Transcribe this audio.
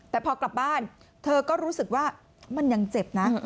แต่พอกลับบ้านเธอก็รู้สึกว่ามันยังเจ็บนะ